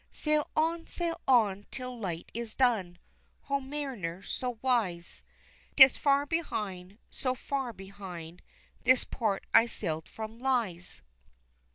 Sail on! Sail on! till light is done, Ho mariner, so wise! 'Tis far behind so far behind This port I sailed from, lies.